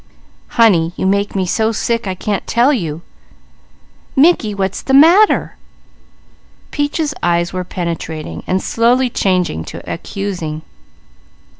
"Honey, you make me so sick I can't tell you." "Mickey, what's the matter?" Peaches' penetrating eyes were slowly changing to accusing.